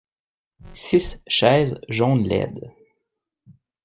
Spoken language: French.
Six chaises jaunes laides.